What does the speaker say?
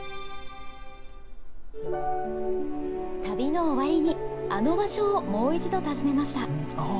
旅の終わりに、あの場所をもう一度訪ねました。